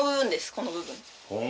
この部分。